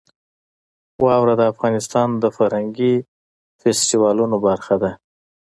واوره د افغانستان د فرهنګي فستیوالونو برخه ده.